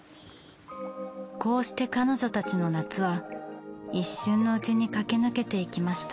こうして彼女たちの夏は一瞬のうちに駆け抜けていきました。